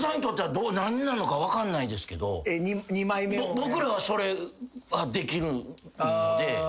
僕らはそれはできるんで。